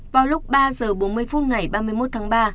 vào lúc ba h bốn mươi phút ngày ba mươi một tháng ba